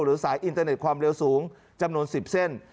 สายอินเทอร์เน็ตความเร็วสูงจำนวน๑๐เส้น